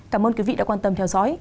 cảm ơn quý vị đã quan tâm theo dõi